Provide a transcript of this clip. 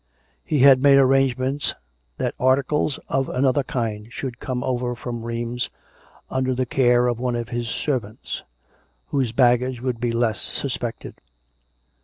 He had made arrangements that articles of an other kind should come over from Rlieims under the care of one of the " servants," whose baggage would be less suspected.